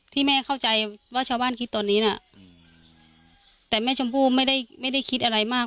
ที่แม่เข้าใจว่าชาวบ้านคิดตอนนี้น่ะแต่แม่ชมพู่ไม่ได้ไม่ได้คิดอะไรมาก